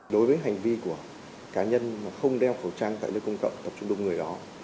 đối với hành vi của cá nhân mà không đeo khẩu trang tại nơi công cộng tập trung đông người đó